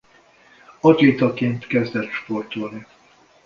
Atlétaként kezdett sportolni.